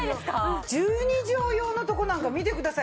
１２畳用のとこなんか見てください。